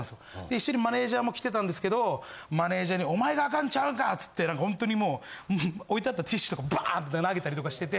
で一緒にマネージャーも来てたんですけどマネージャーに「お前がアカンちゃうんか」つってホントにもう置いてあったティッシュとかバーンって投げたりとかしてて。